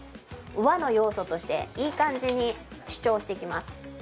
和の要素としていい感じに主張してきます。